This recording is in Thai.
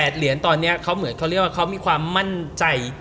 เหรียญตอนนี้เขาเหมือนเขาเรียกว่าเขามีความมั่นใจ